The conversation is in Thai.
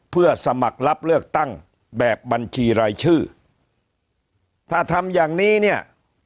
เพื่อสมัครรับเลือกตั้งแบบบัญชีรายชื่อถ้าทำอย่างนี้เนี่ย